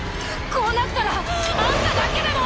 こうなったらあんただけでも！